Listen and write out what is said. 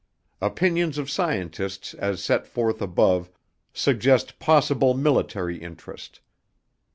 OPINIONS OF SCIENTISTS AS SET FORTH ABOVE SUGGEST POSSIBLE MILITARY INTEREST.